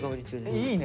いいね！